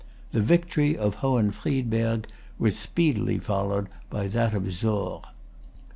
The victory of Hohenfriedberg was speedily followed by that of Sorr.